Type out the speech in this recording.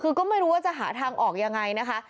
คือก็ไม่รู้ว่าจะหาทางออกยังไงนะคะ